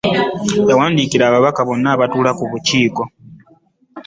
Yawandiikira ababaka bonna abatuula ku bukiiko